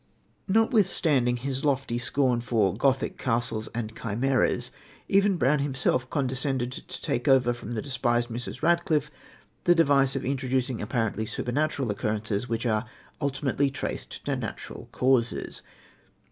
Notwithstanding his lofty scorn for "Gothic castles and chimeras," even Brown himself condescended to take over from the despised Mrs. Radcliffe the device of introducing apparently supernatural occurrences which are ultimately traced to natural causes.